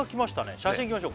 写真いきましょう